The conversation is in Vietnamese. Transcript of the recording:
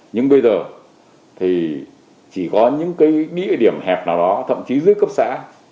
nhưng bây giờ thì chỉ có những cái điểm hẹp nào đó thậm chí dưới cấp xã